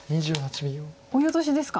オイオトシですか。